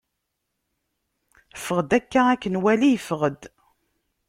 ffeɣ-d akka ad k-nwali! Yeffeɣ-d.